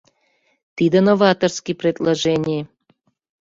Тиде новаторский предложений.